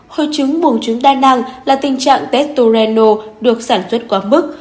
hội trứng bùng trứng đa nang là tình trạng testoreno được sản xuất quá mức